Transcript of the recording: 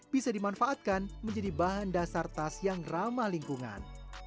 bisa dimanfaatkan menjadi bahan dasar tas yang ramah lingkungan